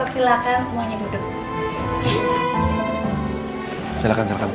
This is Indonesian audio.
siapur silakan semuanya duduk